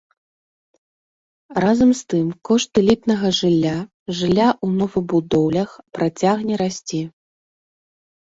Разам з тым кошт элітнага жылля, жылля ў новабудоўлях працягне расці.